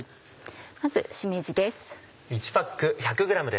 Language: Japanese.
まずしめじです。